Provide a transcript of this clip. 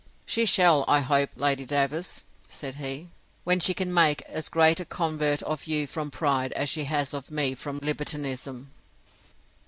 She shall, I hope, Lady Davers, said he, when she can make as great a convert of you from pride, as she has of me, from libertinism.